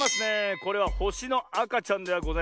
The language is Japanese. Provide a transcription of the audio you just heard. これはほしのあかちゃんではございませんよ。